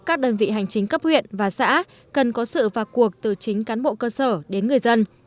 các đơn vị hành chính cấp huyện và xã cần có sự và cuộc từ chính cán bộ cơ sở đến người dân